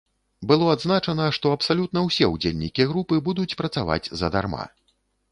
Было адзначана, што абсалютна ўсе ўдзельнікі групы будуць працаваць задарма.